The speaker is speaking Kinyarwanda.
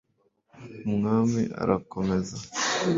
umwami arakomeza